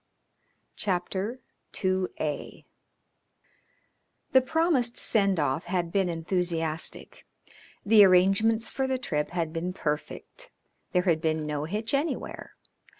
CHAPTER II The promised send off had been enthusiastic. The arrangements for the trip had been perfect; there had been no hitch anywhere.